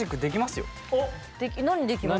何できます？